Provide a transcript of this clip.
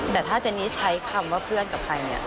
แต่ถ้าเจนนี่ใช้คำว่าเพื่อนกับใครเนี่ย